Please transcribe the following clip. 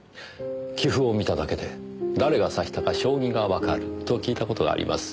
棋譜を見ただけで誰が指したか将棋がわかると聞いた事があります。